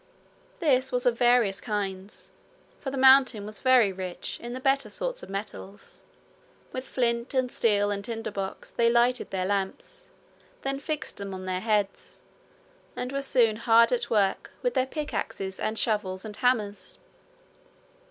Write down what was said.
This was of various kinds, for the mountain was very rich in the better sorts of metals. With flint and steel, and tinder box, they lighted their lamps, then fixed them on their heads, and were soon hard at work with their pickaxes and shovels and hammers.